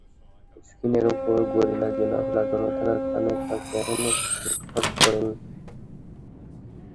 স্ক্রিনের ওপর gorilla glass লাগানো থাকার কারণে ত্বকে এখনো স্ক্র্যাচ পড়েনি।